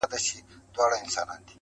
سترگې په خوبونو کي راونغاړه